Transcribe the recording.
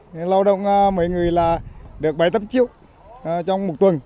nên là lâu động mỗi người là được bảy tám triệu trong một tuần